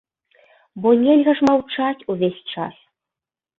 Бо нельга ж маўчаць увесь час.